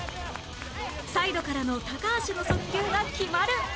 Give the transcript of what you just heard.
サイドからの高橋の速球が決まる！